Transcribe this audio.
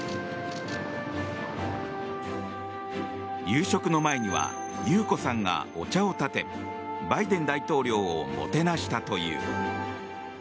夕食の前には裕子さんがお茶をたてバイデン大統領をもてなしたという。